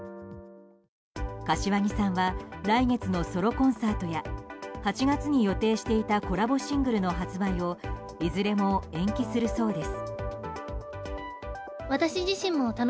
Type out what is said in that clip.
柏木さんは来月のソロコンサートや８月に予定していたコラボシングルの発売をいずれも延期するそうです。